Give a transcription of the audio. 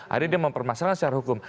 jadi dia mempermasalahkan secara hukum